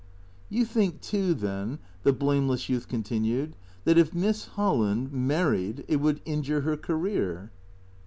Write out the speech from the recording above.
"You think too then," the blamless youth continued, "that if Miss Holland — married it would injure her career